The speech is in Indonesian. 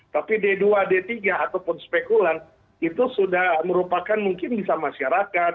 tapi d dua d tiga ataupun spekulan itu sudah merupakan mungkin bisa masyarakat